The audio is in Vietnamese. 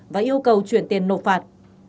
và yêu cầu chuyển tiền nộp phạt